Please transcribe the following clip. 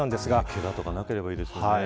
けがとかなければいいですよね。